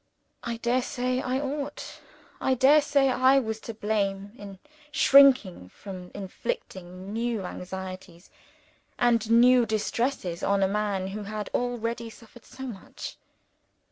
I dare say I ought, I daresay I was to blame in shrinking from inflicting new anxieties and new distresses on a man who had already suffered so much.